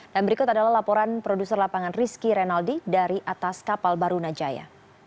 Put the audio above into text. dan berikut adalah laporan produser lapangan rizky rinaldi dari atas kapal baruna jaya